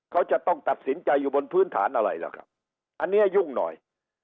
เขาจะต้องตัดสินใจอยู่บนพื้นฐานอะไรล่ะครับอันนี้ยุ่งหน่อย